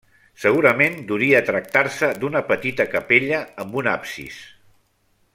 Segurament duria tractar-se d'una petita capella amb un absis.